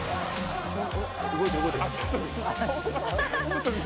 「動いてる動いてる」